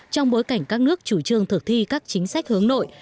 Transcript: trong bối cảnh các nước chủ trương thực thi các chính sách hướng nội